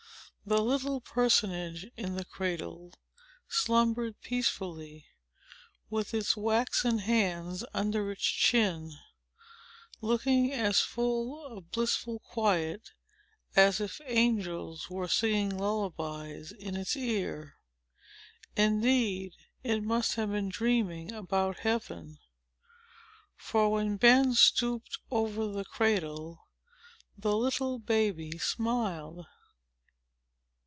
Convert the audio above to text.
The little personage in the cradle slumbered peacefully, with its waxen hands under its chin, looking as full of blissful quiet as if angels were singing lullabies in its ear. Indeed, it must have been dreaming about Heaven; for, while Ben stooped over the cradle, the little baby smiled.